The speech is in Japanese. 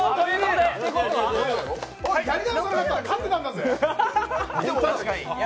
やり直さなかったら勝ってたんだぜ。